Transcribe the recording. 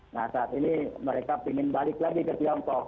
nah saat ini mereka ingin balik lagi ke tiongkok